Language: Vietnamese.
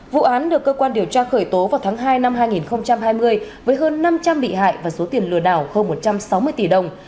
vụ án được cơ quan điều tra khởi tố vào tháng hai năm hai nghìn hai mươi với hơn năm trăm linh bị hại và số tiền lừa đảo hơn một trăm sáu mươi tỷ đồng